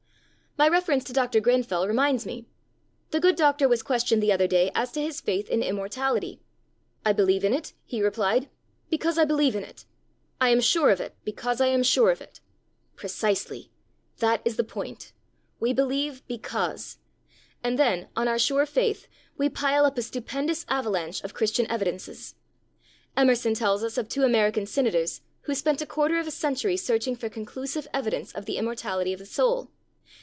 My reference to Dr. Grenfell reminds me. The good doctor was questioned the other day as to his faith in immortality. 'I believe in it,' he replied, 'because I believe in it. I am sure of it, because I am sure of it.' Precisely! That is the point. We believe because. And then, on our sure faith, we pile up a stupendous avalanche of Christian evidences. Emerson tells us of two American senators who spent a quarter of a century searching for conclusive evidence of the immortality of the soul.